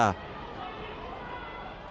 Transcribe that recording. dan menyebabkan kekuatan kekuatan yang terlalu besar